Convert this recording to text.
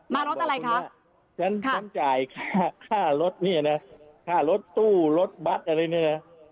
รถอะไรคะฉันฉันจ่ายค่าค่ารถเนี่ยนะค่ารถตู้รถบัตรอะไรเนี่ยนะ